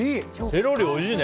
セロリ、おいしいね。